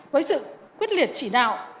với sự quyết liệt chỉ đạo